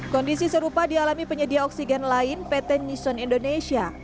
kondisi serupa dialami penyedia oksigen lain pt nison indonesia